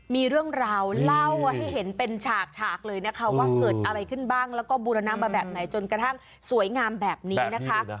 มีเรื่องราวเล่าให้เห็นเป็นฉากเลยนะคะว่าเกิดอะไรขึ้นบ้างแล้วก็บูรณะมาแบบไหนจนกระทั่งสวยงามแบบนี้นะคะ